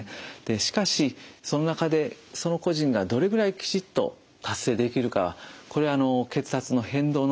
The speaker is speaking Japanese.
しかしその中でその個人がどれぐらいきちっと達成できるかは血圧の変動のプロファイル